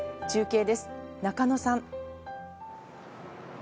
中継です、中野さん。